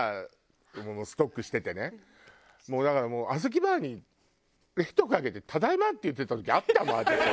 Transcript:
もうだからあずきバーに冷凍庫開けて「ただいま！」って言ってた時あったもん私。